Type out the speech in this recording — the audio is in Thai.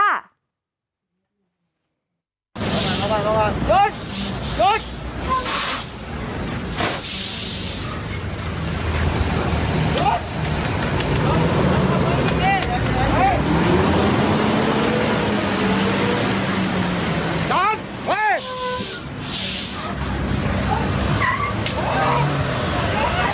ระวังระวังระวังหยุดหยุด